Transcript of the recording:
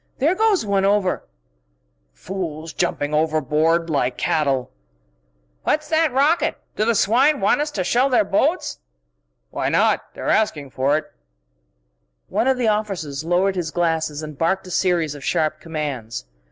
There goes one over_!..." "... fools jumping overboard like cattle...." "What's that rocket? Do the swine want us to shell their boats?" "Why not? They're asking for it!" One of the officers lowered his glasses and barked a series of sharp commands.